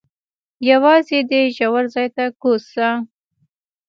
یوازې دې ژور ځای ته کوز شه.